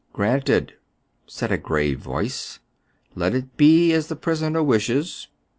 " Granted," said a grave voice. " Let it be as the prisoner wishes."